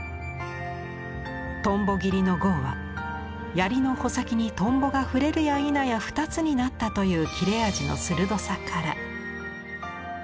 蜻蛉切の号は槍の穂先に蜻蛉が触れるやいなや２つになったという切れ味の鋭さから。